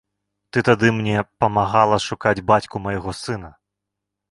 Ты тады мне памагала шукаць бацьку майго сына.